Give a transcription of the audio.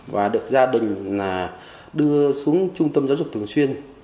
và được gia đình đưa xuống trung tâm giáo dục thường xuyên